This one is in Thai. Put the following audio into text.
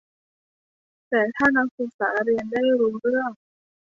แต่ถ้านักศึกษาเรียนไม่รู้เรื่อง